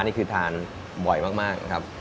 นี่คือทานบ่อยมากนะครับ